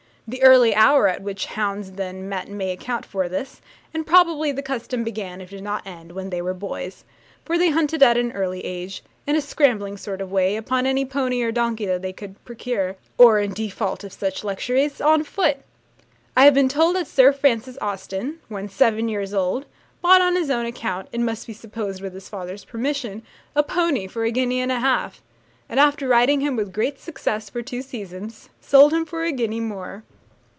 The early hour at which hounds then met may account for this; and probably the custom began, if it did not end, when they were boys; for they hunted at an early age, in a scrambling sort of way, upon any pony or donkey that they could procure, or, in default of such luxuries, on foot. I have been told that Sir Francis Austen, when seven years old, bought on his own account, it must be supposed with his father's permission, a pony for a guinea and a half; and after riding him with great success for two seasons, sold him for a guinea more.